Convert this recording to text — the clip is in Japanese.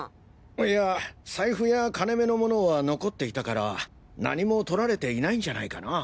いや財布や金目の物は残っていたから何も盗られていないんじゃないかな？